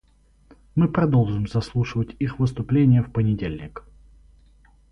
Мы продолжим заслушивать их выступления в понедельник.